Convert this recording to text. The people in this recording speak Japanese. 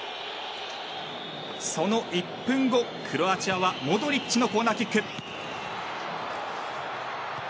その１分後、クロアチアはモドリッチのコーナーキック。